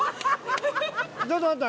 ちょっと待った！